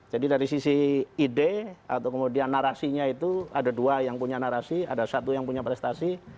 jadi dari sisi ide atau kemudian narasinya itu ada dua yang punya narasi ada satu yang punya prestasi